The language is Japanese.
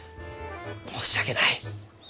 申し訳ない。